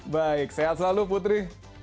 baik sehat selalu putri